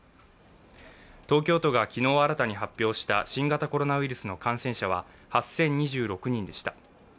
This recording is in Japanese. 東京都が昨日新たに発表した新型コロナウイルスの感染者は８０２６人でした。